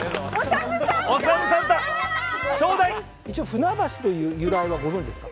一応船橋という由来はご存じですか？